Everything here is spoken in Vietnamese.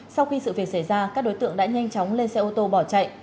sau khi sự việc xảy ra các đối tượng đã nhanh chóng lên xe ô tô bỏ chạy